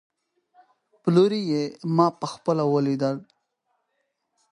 پلوري يې، ما په خپله وليدل